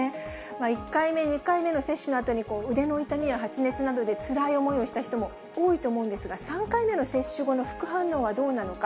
１回目、２回目の接種のあとに腕の痛みや発熱などで、つらい思いをした人も多いと思うんですが、３回目の接種後の副反応はどうなのか。